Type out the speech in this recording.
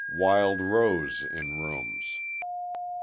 Wild Rose in rooms.